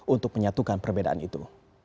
untuk menyatukan perbedaan itu